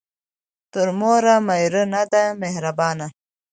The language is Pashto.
ـ تر موره مېره ،نه ده مهربانه.